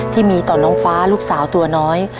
ที่มีต่อน้องฟ้าลูกสาวตัวน้อย